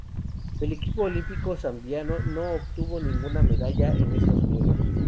El equipo olímpico zambiano no obtuvo ninguna medalla en estos Juegos.